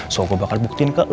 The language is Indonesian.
soal gue bakal buktiin ke lo